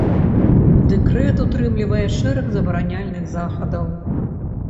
Дэкрэт утрымлівае шэраг забараняльных захадаў.